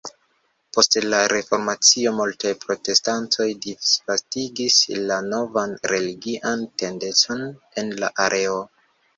Post la Reformacio, multaj protestantoj disvastigis la novan religian tendencon en la areo.